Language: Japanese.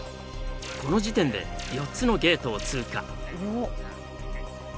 この時点で４つのゲートを通過。